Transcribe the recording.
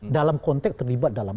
dalam konteks terlibat dalam